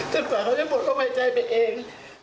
จนกว่าเขาจะบ่นเข้าไปใจไปเอง